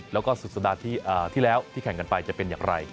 แล้วก็สุดสัปดาห์ที่แล้วที่แข่งกันไปจะเป็นอย่างไร